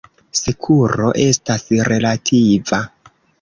Sekuro estas relativa.